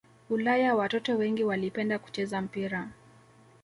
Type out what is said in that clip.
Ulaya watoto wengi walipenda kucheza mpira